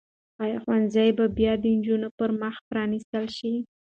آیا ښوونځي به بیا د نجونو پر مخ پرانیستل شي؟